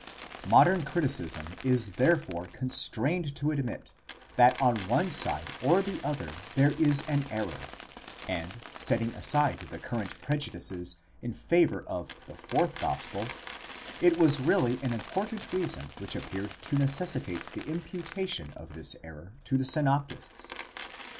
Modern criticism is therefore constrained to admit, that on one side or the other there is an error; and, setting aside the current prejudices in favour of the fourth gospel, it was really an important reason which appeared to necessi tate the imputation of this error to the synoptists.